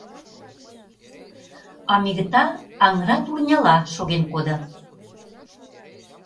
А Мигыта аҥыра турняла шоген кодо.